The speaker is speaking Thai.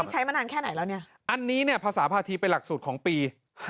ใช้มานานแค่ไหนแล้วเนี่ยอันนี้เนี่ยภาษาภาษีเป็นหลักสูตรของปี๕๗